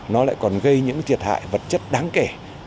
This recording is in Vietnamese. nó lại còn gây những thiệt hại vật chất đáng kể